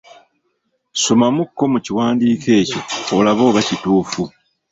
Somamu kko mu kiwandiiko ekyo olabe oba kituufu.